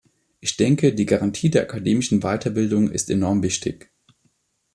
Ich denke, die Garantie der akademischen Weiterbildung ist enorm wichtig.